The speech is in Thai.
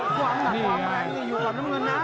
ความหลักความแรงก็อยู่ก่อนนะมึงนะ